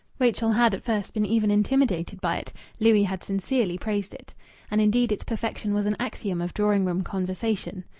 Rachel had at first been even intimidated by it; Louis had sincerely praised it. And indeed its perfection was an axiom of drawing room conversation.